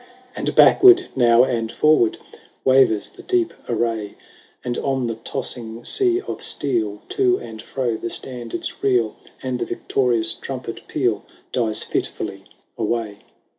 " And backward now and forward Wavers the deep array ; And on the tossing sea of steel. To and fro the standards reel ; And the victorious trumpet peal Dies fitfully away.